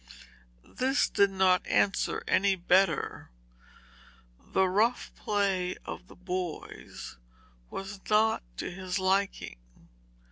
This did not answer any better. The rough play of the boys was not to his liking.